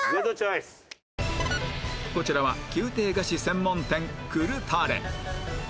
こちらは宮廷菓子専門店王タレ